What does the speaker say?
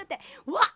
わっ！